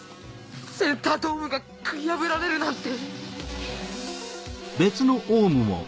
センタードームが食い破られるなんて。